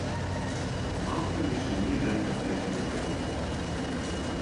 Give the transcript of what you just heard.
Балкан више није велика претња безбедности.